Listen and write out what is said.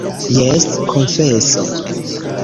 Jes, konfeso!